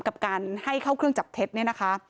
กับการให้เข้าเครื่องจับเท็จเนี่ยนะคะ